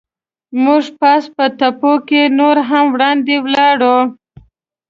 موږ پاس په تپو کې نور هم وړاندې ولاړو.